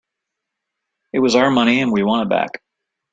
It was our money and we want it back.